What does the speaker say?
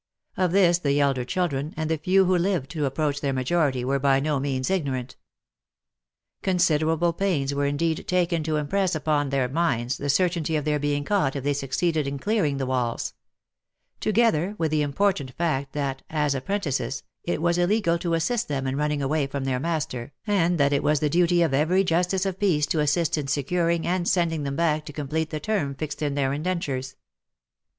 Of this the elder children, and the few who lived to approach their majo rity, were by no means ignorant. Considerable pains were indeed taken to impress upon their minds the certainty of their being caught if they succeeded in clearing the walls ; together with the important fact that, as apprentices, it was illegal to assist them in running away from their master, and that it was the duty of every justice of peace to assist in securing and sending them back to complete the term fixed in their indentures.